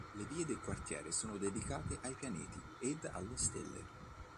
Le vie del quartiere sono dedicate ai pianeti ed alle stelle.